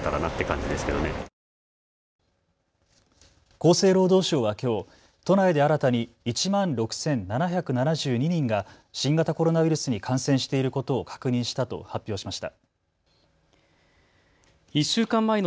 厚生労働省はきょう都内で新たに１万６７７２人が新型コロナウイルスに感染していることを確認したと発表しました。